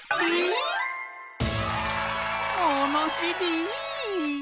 ものしり！